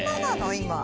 今。